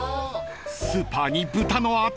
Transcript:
［スーパーに豚の頭